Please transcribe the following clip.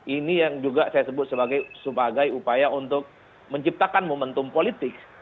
ini yang juga saya sebut sebagai upaya untuk menciptakan momentum politik